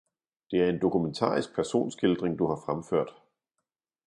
Det er en dokumentarisk personskildring, du har fremført.